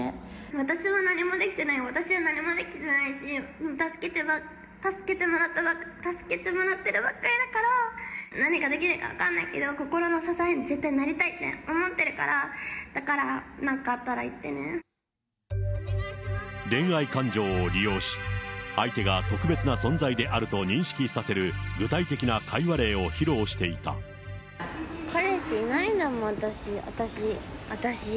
私は何もできてない、私は何もできてないし、助けてもらってるばっかりだから、何かできるか分かんないけど、心の支えに絶対なりたいって思ってるから、だから、なんかあった恋愛感情を利用し、相手が特別な存在であると認識させる具体的な会話例を披露してい彼氏いないんだもん、私、私、私。